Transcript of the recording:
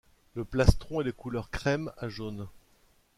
Le plastron est de couleur crème à jaune.